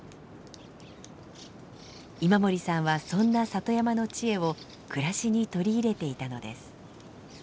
今森さんはそんな里山の知恵を暮らしに取り入れていたのです。